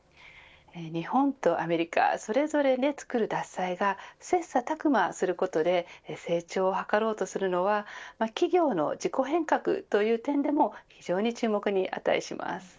日本とアメリカそれぞれで造る獺祭が切磋琢磨することで成長を図ろうとするのは企業の自己変革という点でも非常に注目に値します。